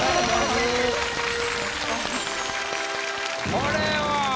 これは。